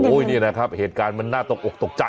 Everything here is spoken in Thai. โอ้โห